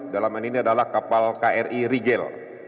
dalaman ini adalah kapal kri rigel